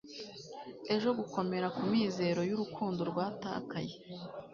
ejo gukomera kumizero y'urukundo rwatakaye